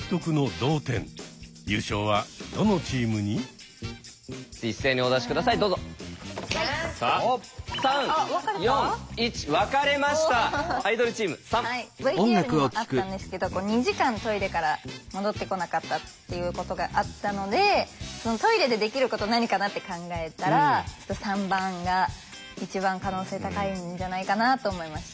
ＶＴＲにもあったんですけど２時間トイレから戻ってこなかったっていうことがあったのでトイレでできること何かなって考えたら３番が一番可能性高いんじゃないかなと思いました。